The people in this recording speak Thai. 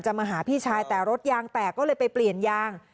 มาหาพี่ชายแต่รถยางแตกก็เลยไปเปลี่ยนยาง